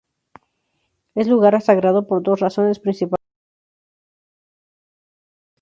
Es lugar sagrado por dos razones principalmente.